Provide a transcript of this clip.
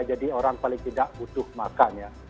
jadi orang paling tidak butuh makan ya